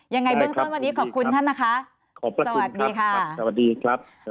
ยังไงเบื้องต้นวันนี้ขอบคุณท่านนะคะขอบคุณสวัสดีค่ะสวัสดีครับ